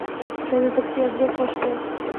چا د تکسي آدرس غوښته.